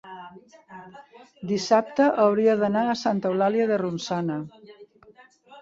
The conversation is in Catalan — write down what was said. dissabte hauria d'anar a Santa Eulàlia de Ronçana.